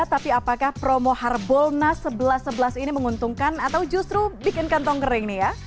tapi apakah promo harbolnas sebelas sebelas ini menguntungkan atau justru bikin kantong kering nih ya